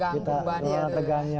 kita melawan tegangnya